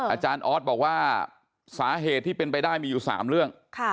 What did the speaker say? อาจารย์ออสบอกว่าสาเหตุที่เป็นไปได้มีอยู่๓เรื่อง